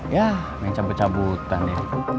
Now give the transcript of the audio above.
ya main cabut cabutan ya